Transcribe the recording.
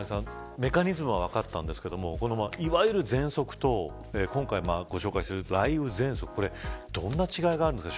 メカニズムは分かったんですがいわゆる、ぜんそくと今回ご紹介している雷雨ぜんそくどんな違いがあるんですか。